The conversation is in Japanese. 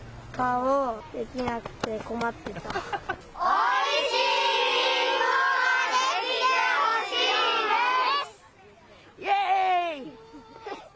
おいしいりんごができてほしいです。